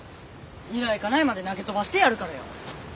ニライカナイまで投げ飛ばしてやるからよ。